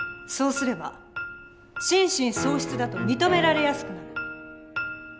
そうすれば心神喪失だと認められやすくなる。